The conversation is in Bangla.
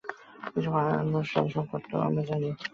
কিন্তু ভারতবর্ষে আমরা এ- সব তত্ত্ব বরাবর জানি।